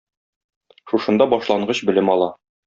Шушында башлангыч белем ала.